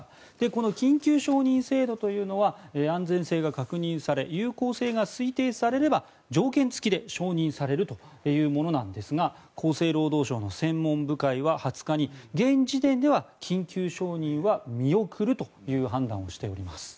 この緊急承認制度というのは安全性が確認され有効性が推定されれば条件付きで承認されるというものなんですが厚生労働省の専門部会は２０日に現時点では緊急承認は見送るという判断をしております。